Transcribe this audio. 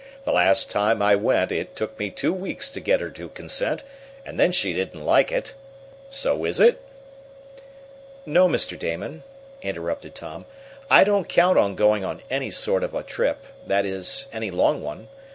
The last time I went it took me two weeks to get her to consent, and then she didn't like it. So if " "No, Mr. Damon," interrupted Tom, "I don't count on going on any sort of a trip that is, any long one.